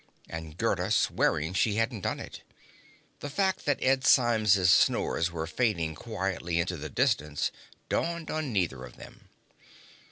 and Gerda swearing she hadn't done it. The fact that Ed Symes's snores were fading quietly into the distance dawned on neither of them.